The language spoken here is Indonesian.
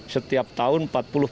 setiap tahun empat puluh persen